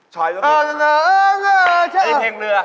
ชอยเรือ